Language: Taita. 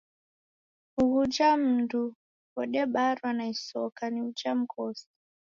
Ughuja mudi ghodebarwa na isoka ni uja mghosi.